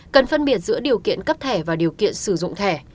cần phân biệt giữa điều kiện cấp thẻ và điều kiện sử dụng thẻ